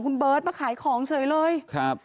แล้วมันกลายเป็นข่าว